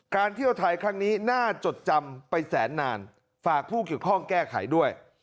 เที่ยวไทยครั้งนี้น่าจดจำไปแสนนานฝากผู้เกี่ยวข้องแก้ไขด้วย